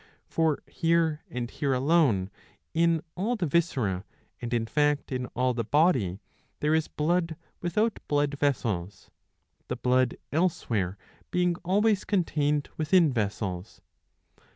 For here, and here alone in all the viscera and in fact in all the body, there is blood without blood vessels, the blood elsewhere being always contained within vessels.'